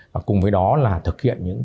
và cùng với đó là thực hiện những